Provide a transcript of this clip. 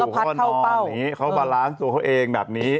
เขาปลาลาสเมื่อกำหนดตัวเขาเองแบบนี้